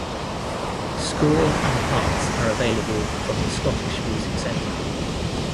Score and parts are available from the Scottish Music Centre.